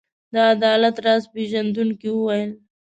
د عدالت راز پيژندونکو وویل.